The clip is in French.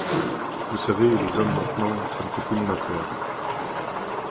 Vous savez, les hommes maintenant, ça ne fait plus mon affaire.